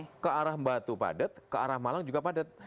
jadi ke arah batu padat ke arah malang juga padat